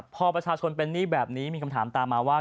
พอประชาชนเป็นหนี้แบบนี้มีคำถามตามมาว่า